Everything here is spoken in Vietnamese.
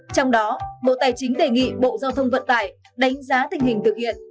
trong đó bộ tài chính đề nghị bộ giao thông vận tải đánh giá tình hình thực hiện